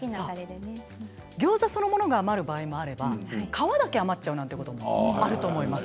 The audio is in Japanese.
ギョーザそのものが余る場合があれば皮だけが余ることもあると思います。